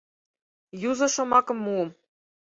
— Юзо шомакым муым.